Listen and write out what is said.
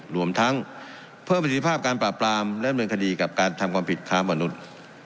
รวมทั้งเพิ่มประสิทธิภาพการปราบปรามและดำเนินคดีกับการทำความผิดค้ามนุษย์